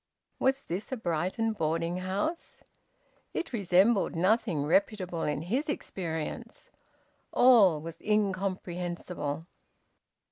Was this a Brighton boarding house? It resembled nothing reputable in his experience. All was incomprehensible.